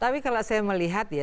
tapi kalau saya melihat ya